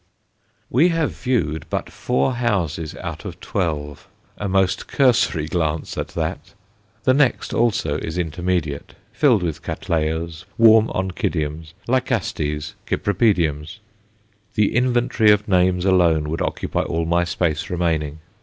We have viewed but four houses out of twelve, a most cursory glance at that! The next also is intermediate, filled with Cattleyas, warm Oncidiums, Lycastes, Cypripediums the inventory of names alone would occupy all my space remaining.